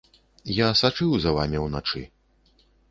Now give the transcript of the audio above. Я сачыў за вамі ўначы.